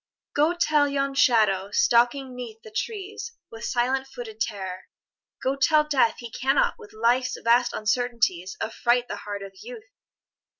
Go tell yon shadow stalking 'neath the trees With silent footed terror, go tell Death He cannot with Life's vast uncertainties Affright the heart of Youth